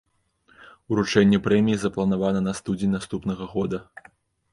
Уручэнне прэміі запланавана на студзень наступнага года.